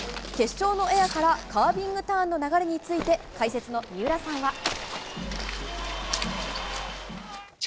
決勝のエアからカービングターンの流れについて解説の三浦さんは。